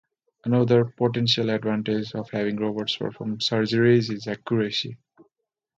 Another potential advantage of having robots perform surgeries is accuracy.